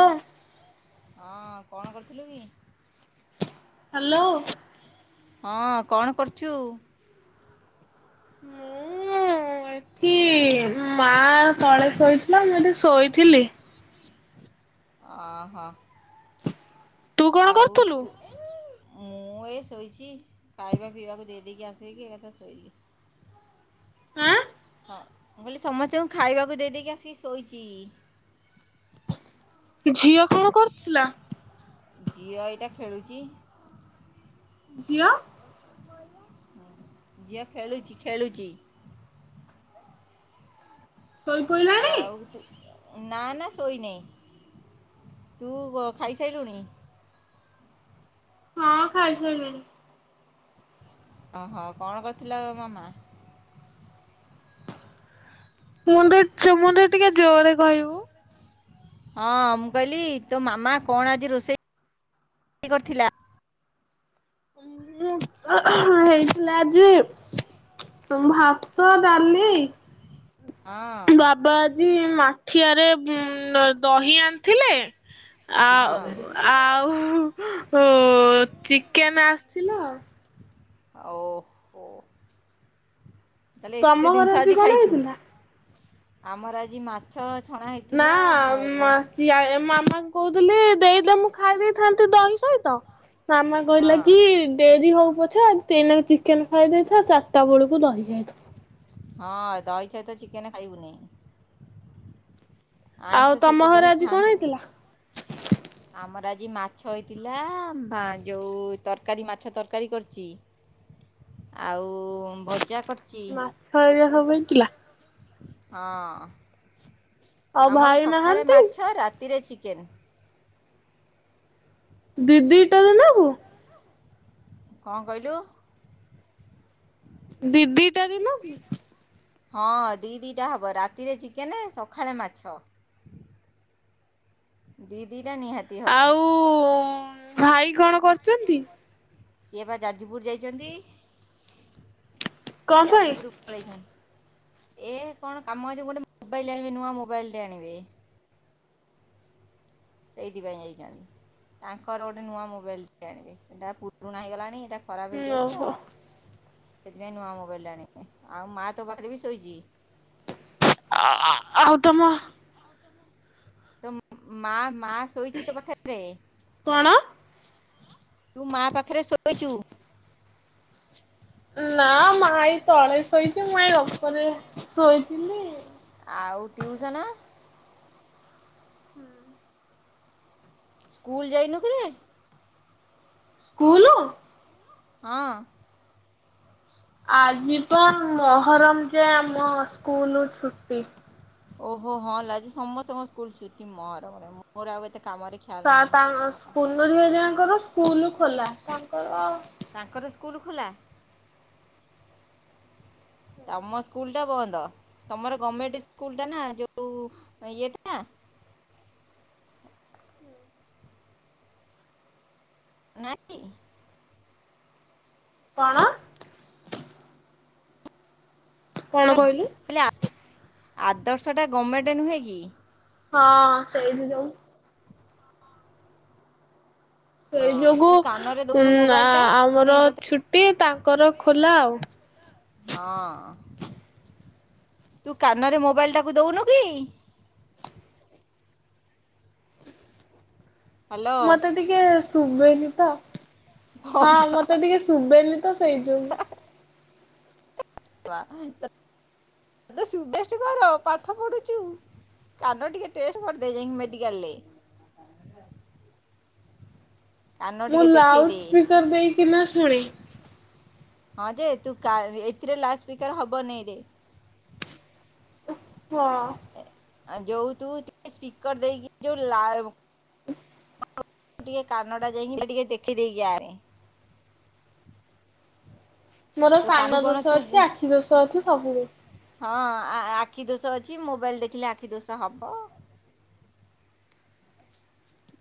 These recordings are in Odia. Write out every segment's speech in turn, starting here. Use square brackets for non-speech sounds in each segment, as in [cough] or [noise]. ଓ ହଁ କଣ କରିଥିଲୁ କି? ହ୍ୟାଲୋ। ହଁ କଣ କରୁଛୁ? ମୁଁ ଏଠି ମା ତଳେ ଶୋଇଥିଲା ମୁଁ ଏଠି ଶୋଇଥିଲି। ଓ ହୋ। ତୁ କଣ ଆଉ କରୁଥିଲୁ? ସ୍କୁ- ମୁଁ ଏ ଶୋଇଛି ଖାଇବା ପିଇବାକୁ ଦେଇ ଦେଇଦେଇକି ଆସକି ଏକଥା ଶୋଇଲି। ହାଁ। ମୁଁ କହିଲି ସମସ୍ତଙ୍କୁ ଖାଇବାକୁ ଦେଇ ଦେଇକି ଆସିକି ଶୋଇଛି। ଝିଅ କଣ କରୁଥିଲା? ଝିଅ ଏଇଟା ଖେଳୁଛି। ଝିଅ। ଝିଅ ଖେଳୁଛି ଖେଳୁଛି। ଶୋଇପଇଲାଣି ଆଉ ତୁ - ନା ନା ଶୋଇନାହିଁ ତୁ ଖାଇସାରିଲୁଣି। ହଁ ଖାଇସାରିଲିଣି। ଓହୋ କଣ କରୁଥିଲା ଏବେ ମାମା? ମୁଣ୍ଡ [unintelligible] ଟିକେ ଜୋରରେ କହିବୁ। ହଁ ମୁଁ କହିଲି ତୋ ମାମା କଣ ଆଜି ରୋଷେଇ କରିଥିଲା? ହଁ ହଁ ହେଇଥିଲା ଆଜି। ଭାତ ଡାଲି। ହଁ ବାପା ଆଜି ମାଠିଆରେ ଦହି ଆଣିଥିଲେ। ଆ ହଁ ଆଉ ଉ। ହୁଁ ଚିକେନ ଆସିଥିଲା। ଓ ହୋ। ତମ ଘରେ ଆଜି କଣ ହେଇଥିଲା? ଆମର ଆଜି ମାଛ। ଛଣା ନା ହେଇଥିଲା ଭା- ବ- ମାମାଙ୍କୁ କହୁଥିଲି ଦେଇ ଦେମୁ। ଖାଇ ଦେଇେଇଥାନ୍ତୁ ଦହି ସହିତ। ମାମା ହଁ କହିଲା କି ଡେରି ହଉ ପଛେ ଆ। ଦିନରେ ଚିକେନ ଖାଇ ଦେଇଥା ଚାରିଟା ବେଳକୁ ଦହିଖାଇବୁ ହଁ ଦହି ସହିତ ଚିକେନ ଖାଇବୁନି। ଆଉ ଆଇଁଷ ତମ ସହିତ ଘରେ ଦହି ଆଜି କଣ ଖାଆନ୍ତିନି ହେଇଥିଲା? ଆମର ଆ- ଆଜି ମାଛ ହେଇଥିଲା ଯେଉଁ ତରକାରୀ ମାଛ ତରକାରୀ କରିଛି। ଆଉ। ଭଜା କରିଛି ମାଛ ହେରିକା ସବୁ ମିଳି ଥିଲା। ହଁ। ଆଉ ଆମର ଭାଇ ସକାଳେ ନାହାନ୍ତି? ମାଛ ରାତିରେ ଚିକେନ୍। ଦି ଦିଟାରେ ନେବୁ। କଣ କହିଲୁ? ଦି ଦିଇଟାରେ ନବୁ। ହଁ ଦି ଦିଟା ହବ ରାତିରେ ଚିକେନ ସକାଳେ ମାଛ। ଦ ଦିଟା ନିହାତି ହବ। ଆଉ ଭାଇ କଣ କରୁଛନ୍ତି? ସିଏ ବା ଯାଜପୁର ଯାଇଛନ୍ତି। କଣ ପାଇଁ? ଯାଜପୁର ପଳେଇଛନ୍ତି। ଏ କଣ କାମ ଅଛି ଗୋଟେ ମୋବାଇଲ ଆଣିବେ ନୂଆ ମୋବାଇଲଟେ ଆଣିବେ। ସେଇଥିପାଇଁ ଯାଇଛନ୍ତି ତାଙ୍କର ଗୋଟେ ନୂଆ ମୋବାଇଲ ଟେ ଆଣିବେ। ଏଟା ପୁରୁଣା ହେଇଗଲାଣିଟା। ଖରାପ ହେଇଯାଉଛି ତ। ଓହୋ ସେଥିପାଇଁ ନୂଆ ମୋବାଇଲ ଟା ଆଣିବେ। ଆଉ ମା ତୋ ପାଖରେ ବି ଶୋଇଛି। ଆଉ ତମ ତୋ ମା ମା ଶୋଇଛି ତୋ ପାଖରେ। କଣ? ତୁ ମା ପାଖରେ ଶୋଇଛୁ। ନା ମା ଏଇ ତଳେ ଶୋଇଛି। ମୁଁଏଇ ଉପରେ ଶୋଇଥିଲି। ଆଉ ଟିଉସନ? ହୁଁ। ସ୍କୁଲ ଯାଇନୁ କିରେ? ସ୍କୁଲ। ହଁ। ଆଜି ପା ମହରମ ଯେ ଆମ ସ୍କୁଲ ଛୁଟି। ଓ ହୋ ହଁ ଲୋ ଆଜି ସମସ୍ତଙ୍କ ସ୍କୁଲ ଛୁଟି ମହରମ ରେ ମୋର ଆଉ ଏତେ କାମରେ ଖିଆଲ ନାହିଁ ସେ [unintelligible] କଥାଟା। ସ୍କୁଲ ଖୋଲା ତାଙ୍କର ତାଙ୍କର ସ୍କୁଲ ଖୋଲା? ତମ ସ୍କୁଲ ଟା ବନ୍ଦ ତମର ଗମେଣ୍ଟ ସ୍କୁଲ ଟା ନା ଯୋଉଁ ଇଏଟା [inaudible] ନାଇଁ। କଣ? କଣ [unintelligible] କହିଲୁ? ଆଦର୍ଶ ଟା ଗମେଣ୍ଟ ନୁହେଁ କି? ହଁ ସେଇଥି ପାଇଁ ସେଇ ହଁ ଯୋଗୁଁ ତୁ କାନରେ ଉ ଦଉନୁ ଆ ମୋବାଇଲଟା ଆମର ଶୁଣେଇ ତତେ ଛୁଟି ତାଙ୍କର ଖୋଲା ଆଉ। ହଁ। ତୁ କାନରେ ମୋବାଇଲ ଟାକୁ ଦଉନୁ କି? ହ୍ୟାଲୋ ମତେ ଟିକେ ଶୁବେନି ତ ହଁ ମତେ ଟିକେ ଶୁବେନି ସେଇଥି ଯୋଗୁଁ। ତୁଆ [unintelligible] [unintelligible] କର ପାଠ ପଢ଼ୁଛୁ କାନ ଟିକେ ଟେଷ୍ଟ କରିଦେ ଯାଇକି ମେଡ଼ି ଡିକାଲ୍ ରେ। ମୁଁ ଦେଖେଇ ଲାଉଡ ଦେ ସ୍ପିକର ଦେଇ କିନା ଶୁଣେ। ହଁ ଯେ ତୁ କା ଏଥିରେ ଲାଉଡ଼ ସ୍ପିକର ହବନି ରେ ହଁ। ଯୋଉଁ ତୁ ସ୍ପିକର ଦେଇକି ଯୋଉଁ ଲାଉ [inaudible] କୁ ଟିକେ କାନ ଟା ଯାଇକି ଟିକେ ଦେଖେଇ ଦେଇକି ଆଣେ। ମୋର ତୁ କାନ କାନକୁ କଣ ଦୋଷ ଶୁଭୁ ଅଛି ଆଖି ଦୋଷ ଅଛି ସବୁ ଦୋଷ ହଁ ଅ ଆଖି ଦୋଷ ଅଛି ମୋବାଇଲ୍ ଦେଖିଲେ ଆଖି ଦୋଷ ହବ।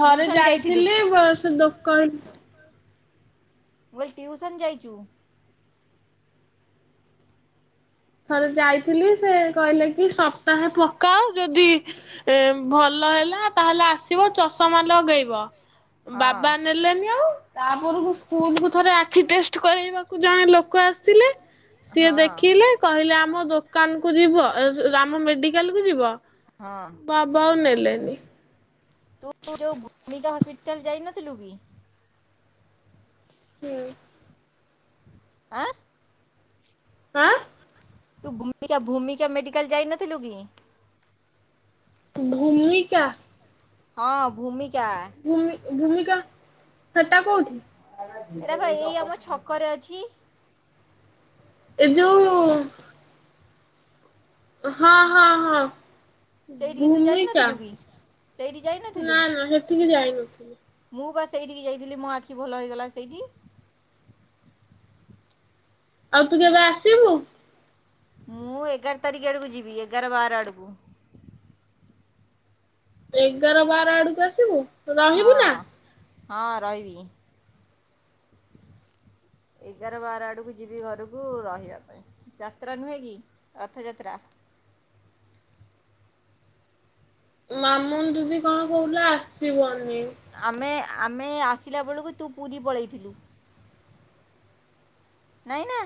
ଥରେ ଟ୍ୟୁସନ୍ ଯାଇଥିଲୁ ଯାଇଥିଲି ମୁଁ ବସ ଦୋକନ ମୁଁ କହିଲି ଟିଉସନ୍ ଯାଇଚୁ। ଥରେ ଯାଇଥିଲି ସେ କହିଲେ କି ସପ୍ତାହେ ପକାଅ ଯଦି ଭଲ ହେଲା ତାହେଲେ ଆସି ଥିବ ଚଷମା ଲଗେଇବ ହଁ ବାବା ନେଲେନି ଆଉ। ତାପରକୁ ସ୍କୁଲ କୁ ଥରେ ଆ ଖିଟେଷ୍ଟ କରାଇବାକୁ ଜଣେ ଲୋକ ଆସିଥିଲେ ସିଏ ହଁ ଦେଖିଲେ କହିଲେ ଆମ ଦୋକାନ କୁ ଯିବ ଆମ ମେଡ଼ିକାଲ କୁ ଯିବ ହଁ ବାବା ଆଉ ନେ ଲେନି। ତୁ ଯୋଉଁ ଭୂମିକା ହସ୍ପିଟାଲ ଯାଇନଥିଲୁ କି? ହୁଁ। ଆଁ ଆଁ ତୁ ଭୂମିକା ଭୂମିକା ମେଡ଼ିକାଲ ଯାଇ ନଥିଲୁ କି? ଭୂମିକା। ହଁ ଭୂମିକା। ଭୂମି ଭୂମିକା ସେଟା କୋଉଁଠି? ଏଇଟା ବା ଏଇ ଆମ ଛକରେ ଅଛି ଏ ଯୋଉଁ ହଁ ହଁ ହଁ। ସେଇଠିକି ତୁ ଭୂମିକା ଯାଇନଥିଲୁ କି ସେଇଠି ଯାଇନଥିଲୁ ନା ନା ସେଠିକି ଯାଇନଥିଲି। ମୁଁ ବା ସେଇଠିକି ଯାଇଥିଲି ମୋ ଆଖି ଭଲ ହେଇଗଲା ସେଇଠି। ଆଉ ତୁ କେବେ ଆସିବୁ? ମୁଁ ଏଗାର ତାରିଖ ଆଡ଼କୁ ଯିବି ଏଗାର ବାର ଆଡ଼କୁ। ଏଗାର ବାର ଆଡକୁ ଆସିବୁ ହଁ ରହିବୁ ନା? ହଁ ରହିବି। ଏଗାର ବାର ଆଡ଼କୁ ଯିବି ଘରକୁ ରହିବା ପାଇଁ ଯାତ୍ରା ନୁହେଁ କି ରଥଯାତ୍ରା। ମାମୁନ ଦିଦି କଣ କହୁଥିଲା ଆସିବନି? ଆମେ ଆମେ ଆସିଲା ବେଳକୁ ତୁ ପୁରୀ ପଳେଇଥିଲୁ। ନାଇଁ ନା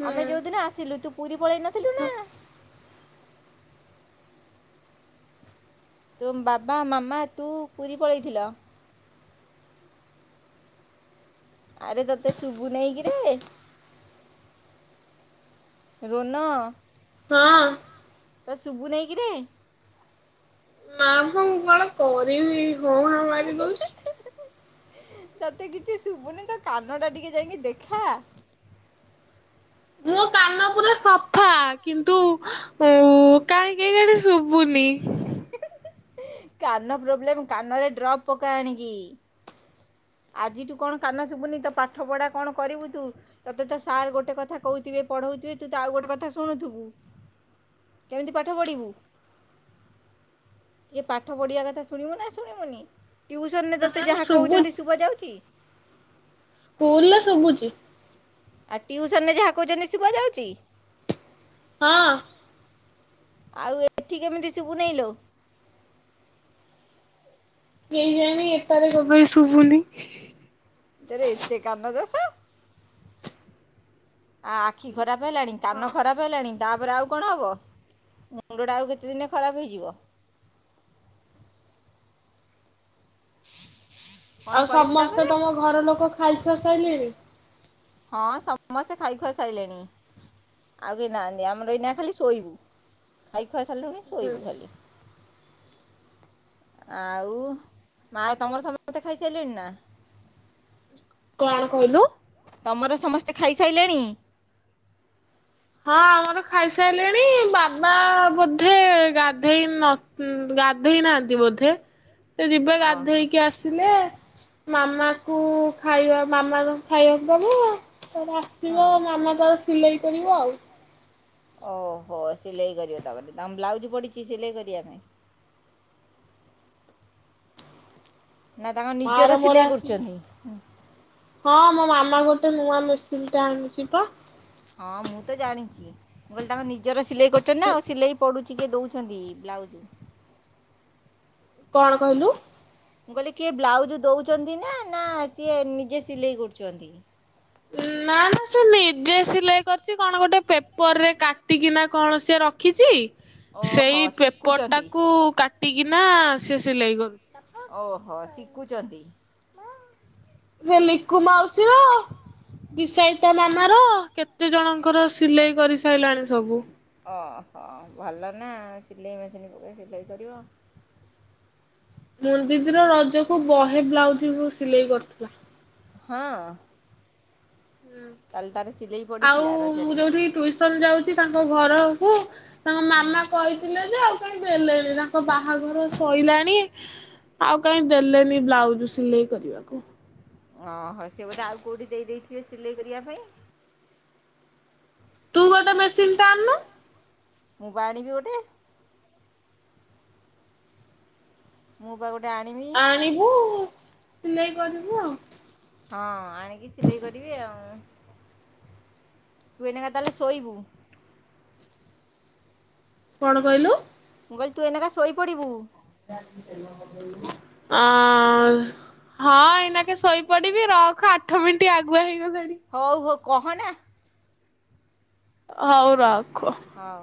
ହୁଁ। ଆମେ ଯୋଉଦିନ ଆସିଲୁ ତୁ ପୁରୀ ପଳେଇ ନଥିଲୁ ନା। ତୋ ବାବା ମାମା ତୁ ପୁରୀ ପଳେଇଥିଲ। ଆରେ ତୋତେ ଶୁଭୁ ନେଇକିରେ? ରୋନ ହଁ। ତତେ ଶୁଭୁ ନେଇକିରେ? ନାଁ ମ ମୁଁ କଣ କରିବି ହର୍ନ ମାରି ଦଉଛି। ତତେ କିଛି ଶୁଭୁନି ତୋ କାନଟା ଟିକେ ଯାଇକି ଦେଖା। ତୁ କାନ ପୁରା ସଫା କିନ୍ତୁ ଉ କାହିଁକି କେଜାଣି ଶୁଭୁନି। ହ କାନ ପ୍ରୋବ୍ଲେମ୍ କାନରେ ଡ୍ରପ୍ ପକା ଆଣିକି। ଆଜିଠୁ କଣ କାନ ଶୁଭୁନି ତୋ ପାଠ ପଢା କଣ କରିବୁ ତୁ? ତତେ ତ ସାର୍ ଗୋଟେ କଥା କହୁଥିବେ ପଢଉଥିବେ ତୁ ତ ଆଉ ଗୋଟେ କଥା ଶୁଣୁଥିବୁ। କେମିତି ପାଠ ପଢ଼ିବୁ? ଟିକେ ପାଠ ପଢ଼ିବା କଥା ଶୁଣିବୁ ନା ଶୁଣିବୁନି? ଟ୍ୟୁସନରେ ତୋତେ ହୁଁ ଯାହା ଶୁଭୁ କହୁଛନ୍ତି ଶୁଭା ଯାଉଚି? ସ୍କୁଲରେ ଶୁଭୁଚି। ଆଉ ଟିଉସନରେ ଯାହା କହୁଛନ୍ତି ଶୁଭା ଯାଉଚି? ହଁ। ଆଉ ଏଠି କେମିତି ଶୁଭୁନେଇଲୋ? କେଜାଣି ଏପାରେ ସବୁବେଳେ ଶୁଭୁନି? ତୋର ଏତେ କାନ ଦୋଷ? ଆ ଆଖି ଖରାପ ହେଲାଣି କାନ ହଁ ଖରାପ ହେଲାଣି ତା ତାପରେ ଆଉ କଣ ହବ? ମୁଣ୍ଡଟା ଆଉ କେତେ ଦିନେ ଖରାପ ହେଇଯିବ। କ'ଣ ଆଉ କରିବୁ ସମସ୍ତେ ତାପରେ ତମ ଘର ଲୋକ ଖାଇ ଖୁଆ ସାଇଲେଣି? ହଁ ସମସ୍ତେ ଖାଇ ଖୁଆ ସାଇଲେଣି। ଆଉ କେଇ ନାହାଁନ୍ତି ଆମର ଏଇନା ଖାଲି ଶୋଇବୁ। ଖାଇକି ଖାଇ ସାରିଲୁଣି ହୁଁ ଶୋଇବୁ ଖାଲି। ଆଉ ମା ତମର ସମସ୍ତେ ଖାଇସାଇଲେଣି ନା? କଣ କହିଲୁ? ତମର ସମସ୍ତେ ଖାଇସାଇଲେଣି? ହଁ ଆମର ଖାଇସାଇଲେଣି ବାବା ବୋଧେ ଗାଧେଇ ନ ଥି ଗା ଗାଧେଇ ନାହାଁନ୍ତି ବୋଧେ ସେ ଯିବେ ଓହୋ ଗାଧେଇକି ଆସିଲେ ମାମା କୁ ଖାଇବା ମାମା ତ ଖାଇବାକୁ ଦବ ତାର ହଁ ଆସିବ ମାମା ତାର ସିଲେଇ କରିବ ଆଉ। ଓହୋ ସିଲେଇ କରିବ ତାପରେ ତମ ବ୍ଲାଉଜ ପଡିଛି ସିଲେଇ କରିବା ପାଇଁ। ନା ତାଙ୍କ ମା ନିଜର ର ମୋର ସିଲେଇ ଆସିଲୁ। କରୁଛନ୍ତି ହଁ ମୋ ମାମା ଗୋ ନୂଆ ମେସିନ୍ନ ଆଣିଛି ପା। ହଁ ମୁଁ ତ ଜାଣିଛି ମୁଁ କହିଲି ତାଙ୍କ ନିଜର ସିଲେଇ କରୁଛନ୍ତି ନା ଆଉ ସିଲେଇ ପଡୁଛି। ଟିକେ ଦଉଛନ୍ତି ବ୍ଲାଉଜ୍ କଣ କହିଲୁ? ମୁଁ କହିଲି କିଏ ବ୍ଲାଉଜ ଦଉଛନ୍ତି ନା ନା ସିଏ ନିଜେ ସିଲେଇ କରୁଛନ୍ତି ନା ନା ସେ ନିଜେ ସିଲେଇ କରିଛି କଣ ଗୋଟେ? ପେପର ରେ କାଟିକିନା କଣ ସିଏ ରଖିଛି ଓହୋ ସେଇ ପେପର ଶିଖୁଛନ୍ତି ଟାକୁ କାଟିକିନା ସେ ସିଲେଇ କରୁଛି ହଁ ଶିଖୁଛନ୍ତି। ସେ ଲିକୁ ମାଉସୀ ର ବିଷାଇତା ମାମାର କେତେ ଜଣଙ୍କର ସିଲେଇ କରିସାରିଲାଣି ସବୁ। ହ ହ ଭଲ ନା ସିଲେଇ ମେସିନ୍ ପକ ସିଲେଇ କରିବ। ମୁ ଦିଦିର ରଜକୁ ବହେ ବ୍ଲାଉଜ ସିଲେଇ କରିଥିଲା। ହଁ। ତାଲ ତାରି ଆଉ ମୁଁ ଯୋଉଠି ଟ୍ୟୁସନ ଯାଉଛି ତାଙ୍କ ଘରକୁ ତାଙ୍କ ହୁଁ ମାମା କହିଥିଲେ ଯେ। ଦେଲେଣି ତାଙ୍କ ବାହାଘର ଶୋଇଲାଣି। ଆଉ କହିଁ ଦେଲେନି ବ୍ଲାଉଜ ସିଲେଇ କରିବାକୁ। ଓହୋ ସେ ବୋଧେ ଆଉ କୋଉଠି ଦେଇ ଦେଇେଇଥିବେ ସିଲେଇ କରିବା ପାଇଁ। ତୁ ଗୋଟେ ମେସିନ୍ ଟା ଆଣନୁ। ମୁ ବାଣୀବି ଗୋଟେ ମୁଁ ପା ଗୋଟେ ଆଣିବି ଆଣିବୁ ସିଲେଇ କରିବୁ ଆଉ। ହଁ ଆଣିକି ସିଲେଇ କରିବି ଆଉ ତୁ ଏନକା ତାହେଲେ ଶୋଇବୁ କଣ କହିଲୁ? ମୁଁ କହିଲି ତୁ ଅନେକା ଶୋଇପଡ଼ିବୁ। ଆ ହଁ ଏଇନାକେ ଶୋଇପଡିବି ରଖ ଆଠ ମିନିଟ ଆଗୁଆ ହେଇି ହଉ ହଉ କହନା। ହଉ ର। ହଁ।